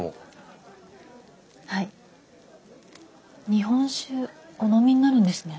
日本酒お飲みになるんですね。